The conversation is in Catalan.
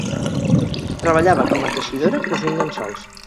Treballava com a teixidora cosint llençols.